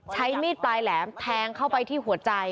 ใช้มีดปลายแหลมแทงเข้าไปที่หัวใจ